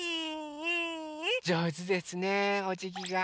じょうずですねおじぎが。